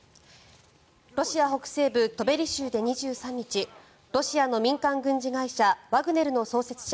ロシア北西部トベリ州で２３日ロシアの民間軍事会社ワグネルの創設者